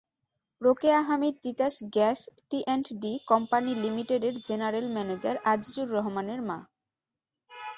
Rokeya Hamid Titas gas T and D company লিমিটেডের general manager Azizur রহমানের মা।